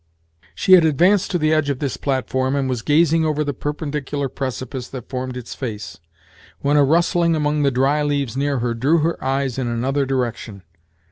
She had advanced to the edge of this platform, and was gazing over the perpendicular precipice that formed its face, when a rustling among the dry leaves near her drew her eyes in another direction.